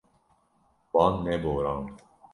Wan neborand.